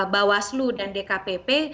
bawaslu dan dkpp